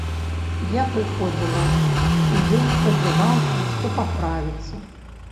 Я прыходзіла, і ён спадзяваўся, што паправіцца.